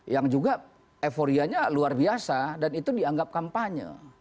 yang juga euforianya luar biasa dan itu dianggap kampanye